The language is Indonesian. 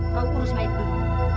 kau urus mayat dulu